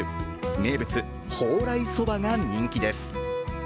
名物・宝来そばが人気です。